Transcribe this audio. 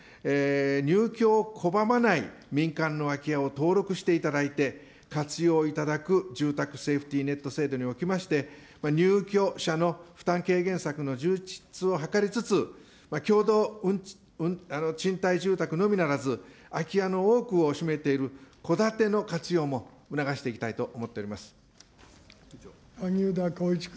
入居を拒まない民間の空き家を登録していただいて、活用いただく住宅セーフティネット制度におきまして、入居者の負担軽減策の充実を図りつつ、共同賃貸住宅のみならず、空き家の多くを占めている戸建ての活用も促していきたいと思って萩生田光一君。